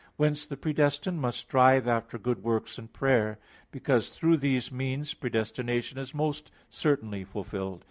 Whence, the predestined must strive after good works and prayer; because through these means predestination is most certainly fulfilled.